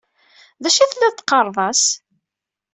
D acu i telliḍ teqqaṛeḍ-as?